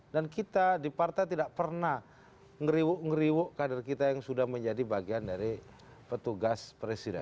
dan kita di partai tidak pernah ngeriwuk ngeriwuk kader kita yang sudah menjadi bagian dari petugas presiden